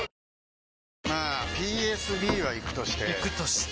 まあＰＳＢはイクとしてイクとして？